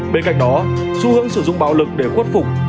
bên cạnh đó xu hướng sử dụng bạo lực để khuất phục